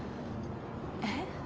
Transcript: えっ？